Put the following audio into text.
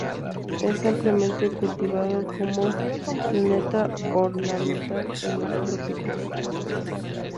Es ampliamente cultivado como planta ornamental en los trópicos.